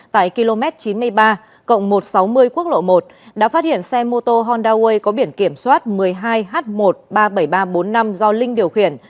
tại km chín mươi ba một trăm sáu mươi quốc lộ một đã phát hiện xe mô tô honda way có biển kiểm soát một mươi hai h một trăm ba mươi bảy nghìn ba trăm bốn mươi năm do linh điều khiển